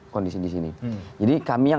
kondisi disini jadi kami yang